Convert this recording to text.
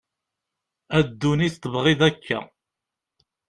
a dunit tebγiḍ akka